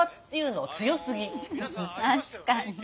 確かに。